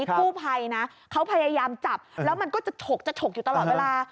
กู้ภัยนะเขาพยายามจับแล้วมันก็จะฉกจะฉกอยู่ตลอดเวลา